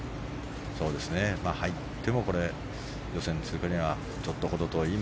入っても予選通過にはちょっと、程遠い。